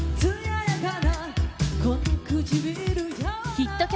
ヒット曲